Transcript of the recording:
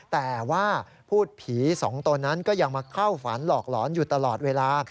แต่ว่าพูดผีสองตนนั้นก็ยังมาเข้าฝันหลอกหลอนอยู่ตลอดเวลา